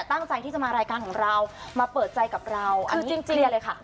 ตั้งใจที่จะมารายการของเรามาเปิดใจกับเราอันนี้เจรียรด้วยค่ะ